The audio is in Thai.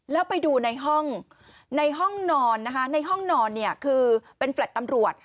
แล้วไปดูในห้องในห้องนอนนะคะในห้องนอนเนี่ยคือเป็นแฟลต์ตำรวจ